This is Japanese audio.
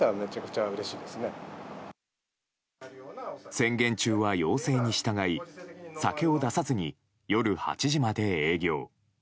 宣言中は要請に従い酒を出さずに夜８時まで営業。